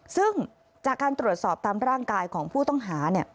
ซึ่งจากการตรวจสอบตามร่างกายของผู้ต้องหา